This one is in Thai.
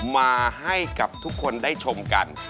มาให้กับทุกคนได้ชมกัน